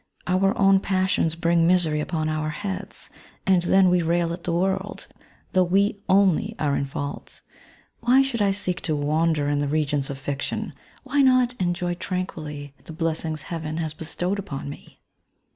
Our own pas sions bring misery upon our heads, and then we rail at the world, though we only are in fault. Why should I seek to wander in the regions of fiction ? Why not enjoy tranquilly the blessings Heaven has bestowed upon me